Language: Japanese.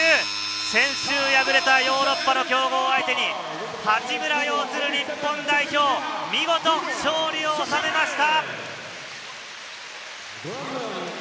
先週敗れたヨーロッパの強豪を相手に、八村擁する日本代表、見事勝利を収めました。